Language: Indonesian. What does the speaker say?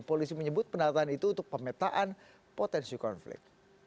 polisi menyebut pendataan itu untuk pemetaan potensi konflik